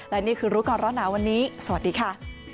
และนี่คือรู้ก่อนร้อนหนาวันนี้สวัสดีค่ะ